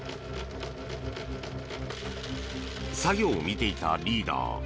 作業を見ていたリーダー